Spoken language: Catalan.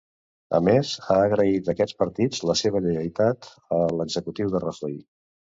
A més, ha agraït aquests partits la seva lleialtat a l'executiu de Rajoy.